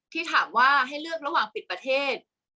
ที่ถามว่าให้เลือกระหว่างปิดประเทศ